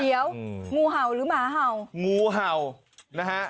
เดี๋ยวงูเห่าหรือหมาเห่างูเห่านะฮะ